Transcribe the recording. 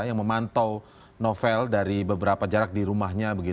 yang memantau novel dari beberapa jarak di rumahnya